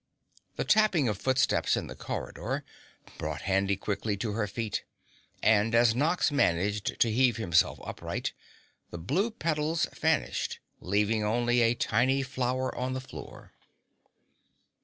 The tapping of footsteps in the corridor brought Handy quickly to her feet and as Nox managed to heave himself upright, the blue petals vanished, leaving only a tiny flower on the floor.